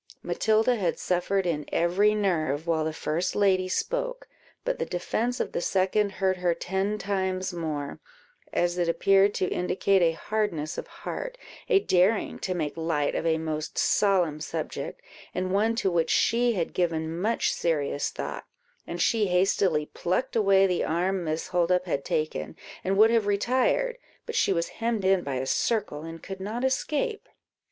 Matilda had suffered in every nerve while the first lady spoke, but the defence of the second hurt her ten times more, as it appeared to indicate a hardness of heart, a daring to make light of a most solemn subject, and one to which she had given much serious thought, and she hastily plucked away the arm Miss Holdup had taken, and would have retired, but she was hemmed in by a circle, and could not escape.